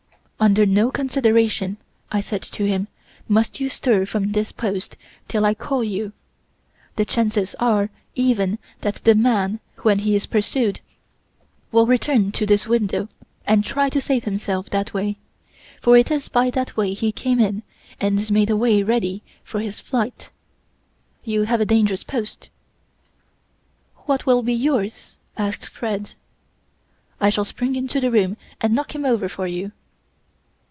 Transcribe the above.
"'Under no consideration,' I said to him, 'must you stir from this post till I call you. The chances are even that the man, when he is pursued, will return to this window and try to save himself that way; for it is by that way he came in and made a way ready for his flight. You have a dangerous post.' "'What will be yours?' asked Fred. "'I shall spring into the room and knock him over for you.